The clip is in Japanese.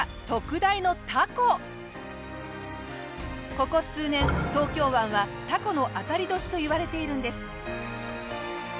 ここ数年東京湾はタコの当たり年といわれているんです。